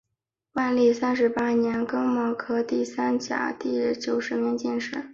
万历三十八年庚戌科第三甲第九十名进士。